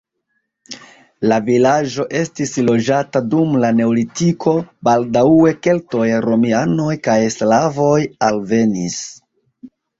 La vilaĝo estis loĝata dum la neolitiko, baldaŭe keltoj, romianoj kaj slavoj alvenis.